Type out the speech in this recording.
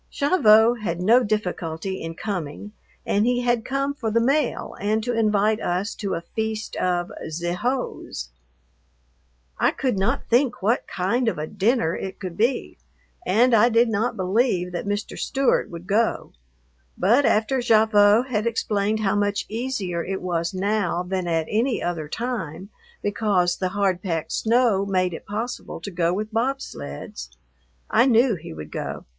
Gavotte had no difficulty in coming, and he had come for the mail and to invite us to a feast of "ze hose." I could not think what kind of a dinner it could be, and I did not believe that Mr. Stewart would go, but after Gavotte had explained how much easier it was now than at any other time because the hard packed snow made it possible to go with bobsleds, I knew he would go.